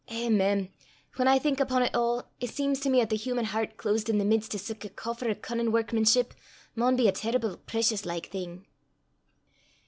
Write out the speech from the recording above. Eh, mem! whan I think upo' 't a', it seems to me 'at the human hert closed i' the mids o' sic a coffer o' cunnin' workmanship, maun be a terrible precious like thing."